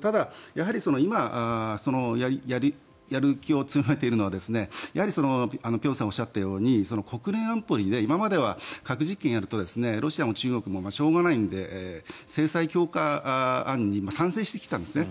ただ、やはり今やる気を強めているのはやはり、辺さんがおっしゃったように国連安保理で今までは核実験をやるとロシアも中国もしょうがないので、制裁強化案に賛成してきたんですね。